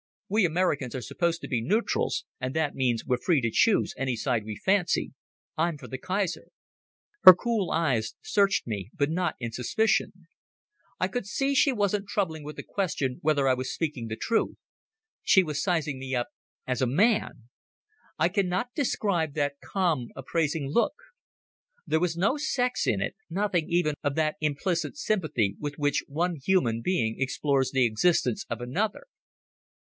"We Americans are supposed to be nootrals, and that means we're free to choose any side we fancy. I'm for the Kaiser." Her cool eyes searched me, but not in suspicion. I could see she wasn't troubling with the question whether I was speaking the truth. She was sizing me up as a man. I cannot describe that calm appraising look. There was no sex in it, nothing even of that implicit sympathy with which one human being explores the existence of another.